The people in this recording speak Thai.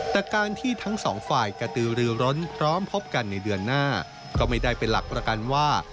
แต่การที่ทั้งสองฝ่ายกระตือรือร้นพร้อมพบกันในเดือนหน้าก็ไม่ได้เป็นหลักประกันว่า